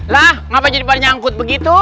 lah kenapa jadi pak d nyangkut begitu